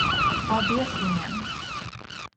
Paldies viņiem!